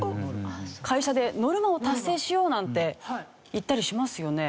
会社で「ノルマを達成しよう」なんて言ったりしますよね。